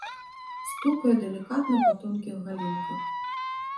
Стукае далікатна па тонкіх галінках.